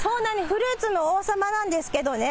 フルーツの王様なんですけどね。